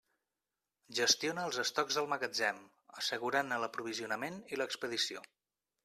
Gestiona els estocs del magatzem, assegurant-ne l'aprovisionament i l'expedició.